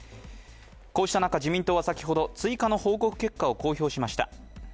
こうした中、自民党は先ほど追加の報告結果を公表しました。